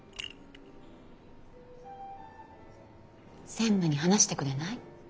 専務に話してくれない？